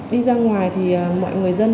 đi ra ngoài thì mọi người dân